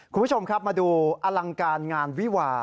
คุณผู้ชมครับมาดูอลังการงานวิวา